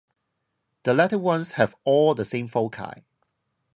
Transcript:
The latter ones have all the same foci.